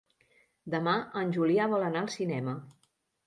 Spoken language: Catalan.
Demà en Julià vol anar al cinema.